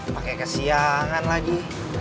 pakai kesiangan lagi